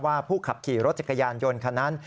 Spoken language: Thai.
ผู้ขับขี่รถจักรยานยนต์คันนั้น